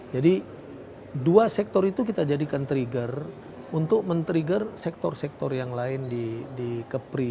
jadi dua sektor itu kita jadikan trigger untuk men trigger sektor sektor yang lain di kepri